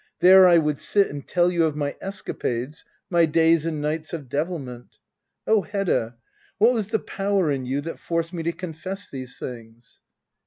There I would sit and tell you of my escapades — my days and nights of devihnent. Oh, Hedda — what was the power in you that forced me to confess these things